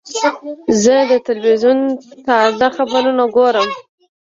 زه د تلویزیون تازه خبرونه ګورم.